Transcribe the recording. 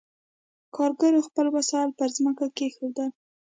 کارګرو خپل وسایل پر ځمکه کېښودل.